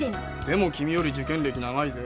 でも君より受験歴長いぜ。